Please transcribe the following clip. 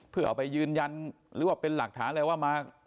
เพื่อเอาไปยืนยันหรือว่าเป็นหลักฐานอะไรว่ามา